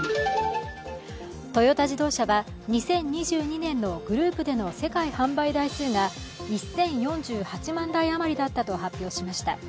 トヨタ自動車は２０２２年のグループでの世界販売台数が１０４８万台余りだったと発表しました。